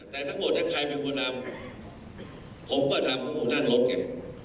แต่ทั้งหมดที่ใครมีควันดำผมก็ทำถ้าคุณนั่งรถไง